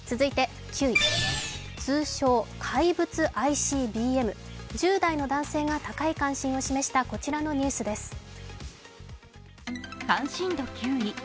９位、通称・怪物ＩＣＢＭ、１０代の男性が高い関心を示したこちらのニュースです。